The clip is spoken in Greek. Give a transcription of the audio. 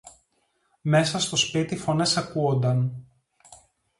Μέσα στο σπίτι φωνές ακούουνταν: